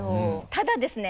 ただですね